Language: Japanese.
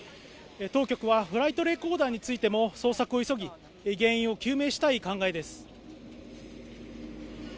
当局はフライトレコーダーについても捜索を急ぎ原因を究明したい考えです